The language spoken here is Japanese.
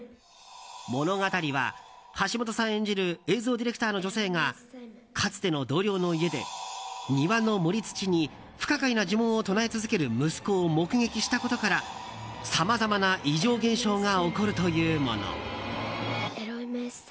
物語は橋本さん演じる映像ディレクターの女性がかつての同僚の家で庭の盛り土に不可解な呪文を唱え続ける息子を目撃したことから、さまざまな異常現象が起こるというもの。